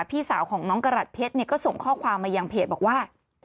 พี่สาวของน้องกระหัดเพชรเนี่ยก็ส่งข้อความมายังเพจบอกว่า